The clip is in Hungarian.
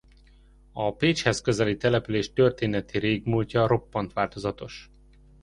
A Pécshez közeli település történeti régmúltja roppant változatos.